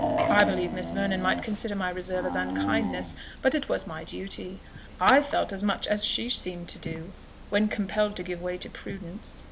I believe Miss Vernon might consider my reserve as unkindness, but it was my duty; I felt as much as she seemed to do, when compelled to give way to prudence.